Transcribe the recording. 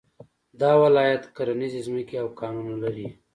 دا ولايت کرنيزې ځمکې او کانونه لري